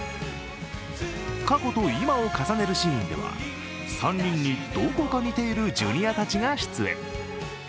過去と今を重ねるシーンでは３人にどこか似ているジュニアたちが出演。